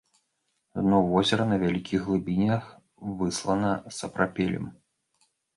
Дно возера на вялікіх глыбінях выслана сапрапелем.